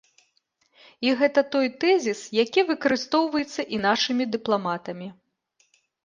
І гэта той тэзіс, які выкарыстоўваецца і нашымі дыпламатамі.